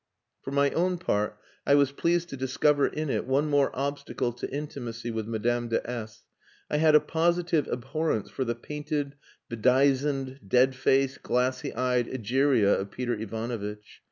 For my own part, I was pleased to discover in it one more obstacle to intimacy with Madame de S . I had a positive abhorrence for the painted, bedizened, dead faced, glassy eyed Egeria of Peter Ivanovitch.